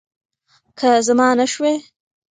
که زما نه شوی